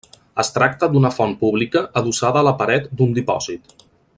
Es tracta d'una font pública adossada a la paret d'un dipòsit.